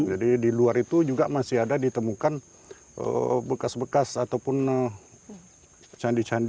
jadi di luar itu juga masih ada ditemukan bekas bekas ataupun candi candi